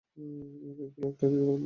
ওই কেকগুলো একটা দিতে পারবেন, প্লিজ?